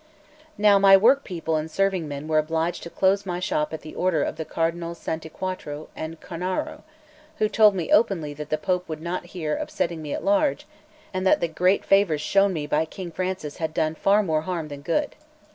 Now my workpeople and serving men were obliged to close my shop at the order of the Cardinals Santi Quattro and Cornaro, who told me openly that the Pope would not hear of setting me at large, and that the great favours shown me by King Francis had done far more harm that good.